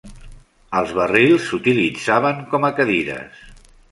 Els barrils s'utilitzaven com a cadires.